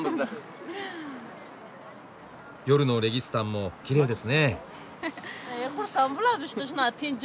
夜のレギスタンもきれいですね。